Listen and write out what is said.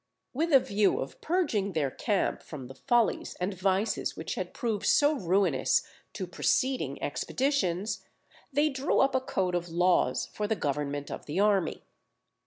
With a view of purging their camp from the follies and vices which had proved so ruinous to preceding expeditions, they drew up a code of laws for the government of the army.